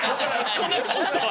このコントは？